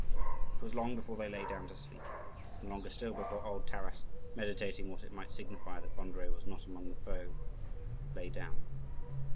It was long before they lay down to sleep; and longer still before old Taras, meditating what it might signify that Andrii was not among the foe, lay down.